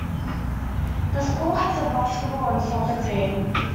The school has a basketball and soccer team.